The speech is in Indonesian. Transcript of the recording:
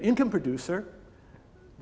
mereka memiliki buah